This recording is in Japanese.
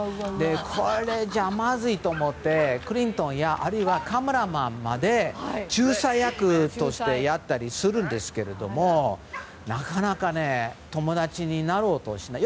これじゃあまずいと思ってクリントンやカメラマンまで仲裁役をやったりするんですがなかなか友達になろうとしない。